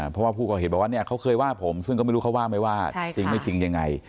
เพราะว่าผู้ก่อเหตุบอกว่าเนี่ยเขาเคยว่าผมซึ่งก็ไม่รู้เขาว่าไม่ว่าจริงไม่จริงยังไง